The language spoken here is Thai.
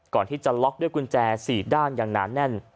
ก่อนที่จะล็อกด้วยกุญแจ๔ด้านอย่างหนาแน่น